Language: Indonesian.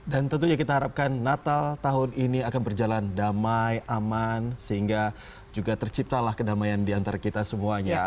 dan tentunya kita harapkan natal tahun ini akan berjalan damai aman sehingga juga terciptalah kedamaian di antara kita semuanya